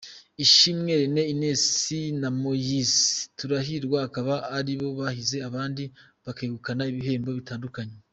Ishime Reine Ines na Moise Turahirwa akaba aribo bahize abandi bakegukana ibihembo bitandukanye.